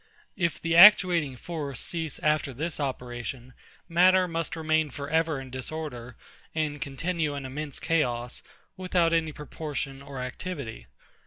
If the actuating force cease after this operation, matter must remain for ever in disorder, and continue an immense chaos, without any proportion or activity.